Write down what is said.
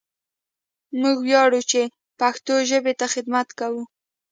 موږ وياړو چې پښتو ژبې ته خدمت کوو!